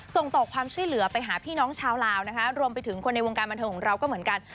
ส่งต่อความช่วยเหลือไปหาพี่น้องชาวลาวนะคะรวมไปถึงคนในวงการบันเทิงของเราก็เหมือนกัน